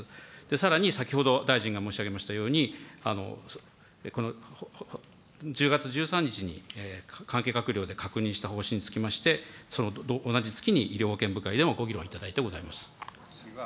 さらに、先ほど、大臣が申し上げましたように、この１０月１３日に関係閣僚で確認した方針につきまして、その同じ月に、医療保険部会でもご議論いただいてございます。